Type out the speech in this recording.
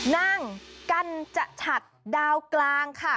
นั่งกัญจฉัดดาวกลางค่ะ